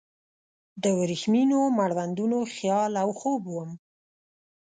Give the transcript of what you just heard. د وریښمینو مړوندونو خیال او خوب وم